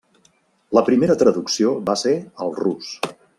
La primera traducció va ser al rus.